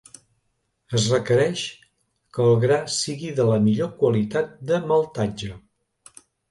Es requereix que el gra sigui de la millor qualitat de maltatge.